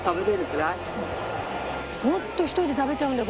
本当１人で食べちゃうんだよ。